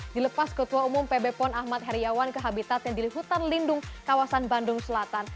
dilepas ketua umum pb pon ahmad heriawan ke habitatnya di hutan lindung kawasan bandung selatan